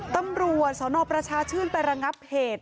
ตำรวจสนประชาชื่นไประงับเหตุ